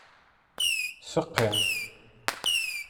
Seqqi.